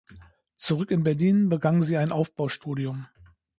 Zurück in Berlin begann sie ein Aufbaustudium.